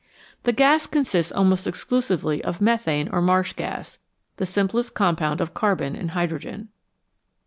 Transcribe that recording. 136 NATURE'S STORES OF FUEL The gas consists almost exclusively of methane or marsh gas, the simplest compound of carbon and hydrogen.